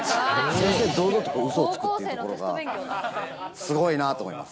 正々堂々とうそをつくっていうところがすごいなと思います。